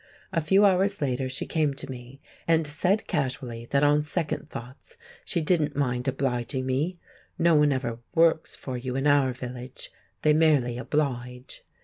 A few hours later she came to me, and said casually that on second thoughts she didn't mind obliging me. (No one ever "works" for you in our village, they merely "oblige.")